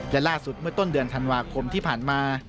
และล่าสุดเมื่อต้นเดือนธันวาคมที่ผ่านมา